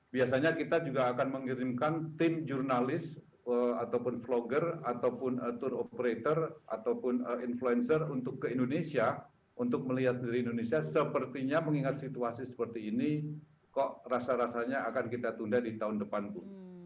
biasanya kita juga akan mengirimkan tim jurnalis ataupun vlogger ataupun tour operator ataupun influencer untuk ke indonesia untuk melihat dari indonesia sepertinya mengingat situasi seperti ini kok rasa rasanya akan kita tunda di tahun depan bu